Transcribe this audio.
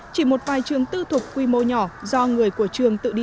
chỉ một vài trường tư thuộc quy mô nhỏ do người của trường tự nấu